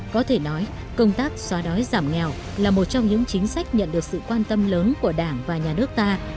có thể nói công tác xóa đói giảm nghèo là một trong những chính sách nhận được sự quan tâm lớn của đảng và nhà nước ta